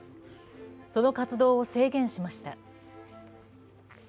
その活動を制限しました。